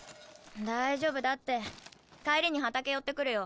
大丈夫だって帰りに畑寄ってくるよ。